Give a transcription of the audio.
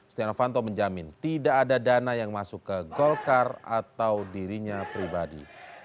setia novanto menjamin tidak ada dana yang masuk ke golkar atau dirinya pribadi